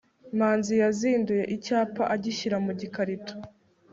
manzi yazinduye icyapa agishyira mu gikarito